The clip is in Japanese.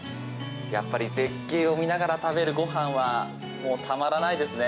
やっぱり絶景を見ながら食べるご飯はたまらないですね！